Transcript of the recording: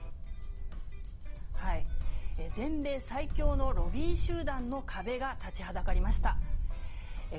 全米最強のロビー集団の壁が立ちはだかりました。